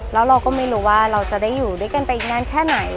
แล้วเราก็ไม่รู้ว่าเราจะได้อยู่ด้วยกันไปอีกนานแค่ไหน